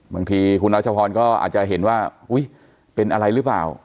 บางทีคุณรัชพรก็อาจจะเห็นว่าอุ๊ยเป็นอะไรหรือเปล่า